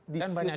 dan punya contoh